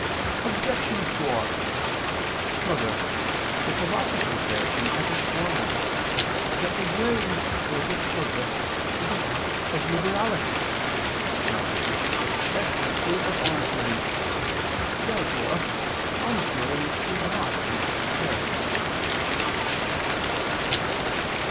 Obj. 4: Further, the Philosopher says (Ethic. iv, 1) that to give for a good purpose is an act of liberality. Now this is especially true of almsgiving. Therefore almsgiving is not an act of charity.